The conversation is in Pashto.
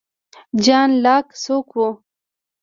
جان لاک څوک و؟